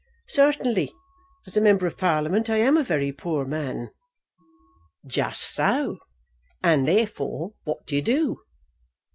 "Certainly, as a member of Parliament I am a very poor man." "Just so, and therefore what do you do?